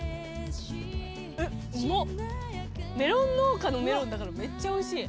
メロン農家のメロンだからめっちゃおいしい。